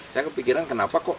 saya kepikiran kenapa kok